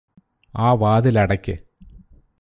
ആ വാതിലടക്ക്